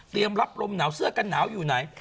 รับลมหนาวเสื้อกันหนาวอยู่ไหน